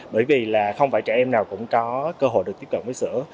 bởi vì là không phải trẻ em nào cũng có cơ hội được tiếp cận với sữa